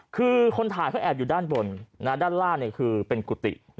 คือคนถ่ายเขาแอบอยู่ด้านบนด้านล่างคือเป็นกุฏิ